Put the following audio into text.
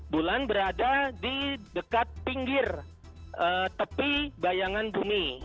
bulan berada di dekat pinggir tepi bayangan bumi